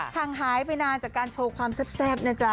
ห่างหายไปนานจากการโชว์ความแซ่บนะจ๊ะ